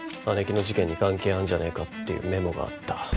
姉貴の事件に関係あんじゃねぇかっていうメモがあった。